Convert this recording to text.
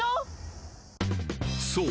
［そう。